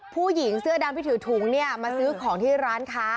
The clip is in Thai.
ผู้หญิงเสื้อดำที่ถือถุงเนี่ยมาซื้อของที่ร้านค้า